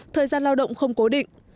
thời gian lao động không cố định